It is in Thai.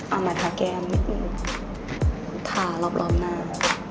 เอามาทาแก้มทารอบหน้า